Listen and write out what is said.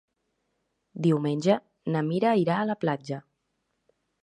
Diumenge na Mira irà a la platja.